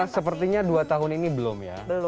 sepertinya dua tahun ini belum ya